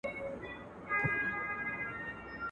مړه اورونه سره لمبه کړي یو هی هی پکښی پیدا کړي ..